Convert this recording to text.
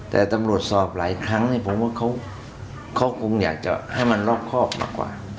แต่ตำรวจสอบหลายครั้งผมว่าเขาคงอยากจะให้มันรอบครอบมากกว่า